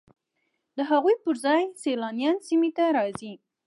د هغوی پر ځای سیلانیان سیمې ته راځي